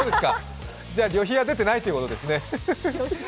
じゃ旅費は出てないってことですね。